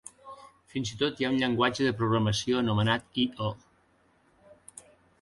Fins i tot hi ha un llenguatge de programació anomenat "io".